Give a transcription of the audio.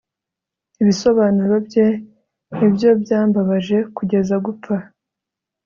Ibisobanuro bye ni byo byambabaje kugeza gupfa